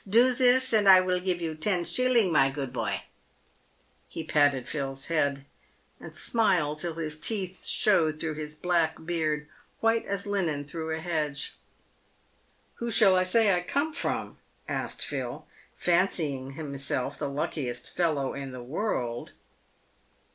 Do sis, and I will give you ten shilling, my good boie." He patted Phil's head, and smiled till his teeth showed through his black beard white as linen through a hedge. " Who shall I say I come from ?" asked Phil, fancying himself the luckiest fellow in the world.